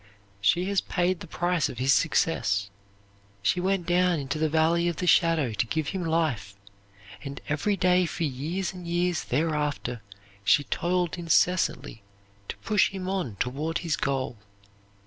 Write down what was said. "She has paid the price of his success. She went down into the Valley of the Shadow to give him life, and every day for years and years thereafter she toiled incessantly to push him on toward his goal.